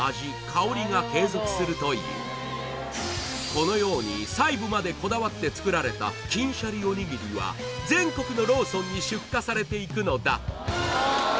このように細部までこだわって作られた金しゃりおにぎりは全国のローソンに出荷されていくのだ